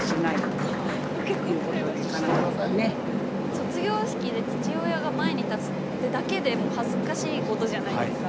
卒業式で父親が前に立つってだけでもう恥ずかしい事じゃないですか。